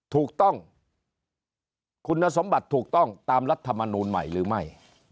ถูกต้องคุณสมบัติถูกต้องตามรัฐมนูลใหม่หรือไม่